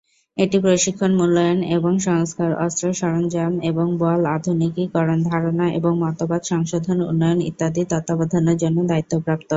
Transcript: এটি প্রশিক্ষণ মূল্যায়ন এবং সংস্কার; অস্ত্র, সরঞ্জাম এবং বল আধুনিকীকরণ; ধারণা এবং মতবাদ সংশোধন উন্নয়ন ইত্যাদি তত্ত্বাবধানের জন্য দায়িত্বপ্রাপ্ত।